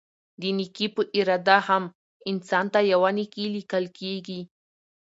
د نيکي په اراده هم؛ انسان ته يوه نيکي ليکل کيږي